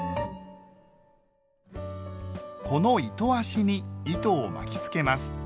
この糸足に糸を巻きつけます。